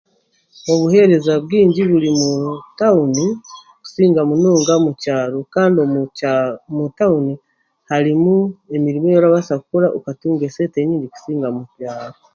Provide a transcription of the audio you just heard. Obuheereza bwingi buri muutawuni kusinga mu kyaro kandi mukya mutawuni harimu emirimo ei orabaasa kukora okatunga esente nyaingi kusinga mu byaro